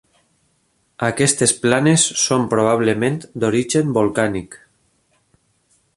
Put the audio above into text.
Aquestes planes són probablement d'origen volcànic.